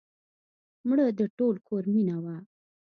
مړه د ټول کور مینه وه